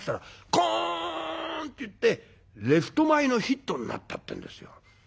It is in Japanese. コーンっていってレフト前のヒットになったってんですよ。